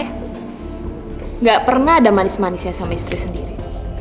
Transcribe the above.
tidak pernah ada manis manisnya sama istri sendiri